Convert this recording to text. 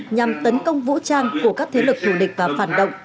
nhằm tấn công vũ trang của các thế lực thủ địch và phản động